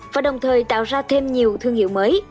và đồng thời tạo ra thêm nhiều thương hiệu mới